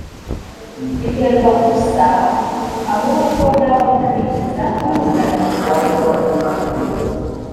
biterwa gusa ahubwo n’abakurikiza gahunda yatanzwe